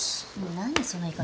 何その言い方。